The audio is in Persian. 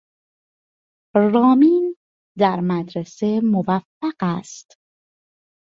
رامین در مدرسه موفق است.